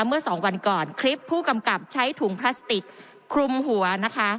เมื่อสองวันก่อนคลิปผู้กำกับใช้ถุงพลาสติกคลุมหัวนะคะ